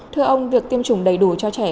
thưa ông việc tiêm chủng đầy đủ cho trẻ